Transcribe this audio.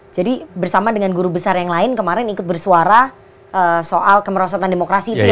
jadi bersama dengan guru besar yang lain kemarin ikut bersuara soal kemerosotan demokrasi itu ya mas ya